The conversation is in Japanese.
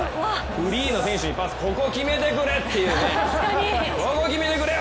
フリーの選手にパス、ここ決めてくれっていう、ここ決めてくれよ！